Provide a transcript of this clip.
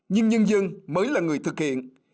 nhưng nhân dân mới là người thực hiện